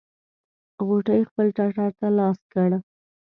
غوټۍ خپل ټټر ته لاس کړ.